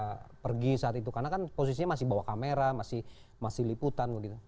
mengikuti kembang endra pergi saat itu karena kan posisinya masih bawah kamera masih masih liputan begitu